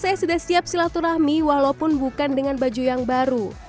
saya sudah siap silaturahmi walaupun bukan dengan baju yang baru